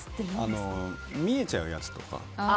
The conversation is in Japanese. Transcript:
見えちゃうやつとか。